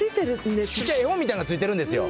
ちっちゃい絵本みたいなのがついてるんですよ。